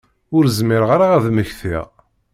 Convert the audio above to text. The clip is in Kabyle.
Ur zmireɣ ara ad mmektiɣ.